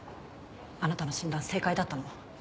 あなたの診断正解だったの。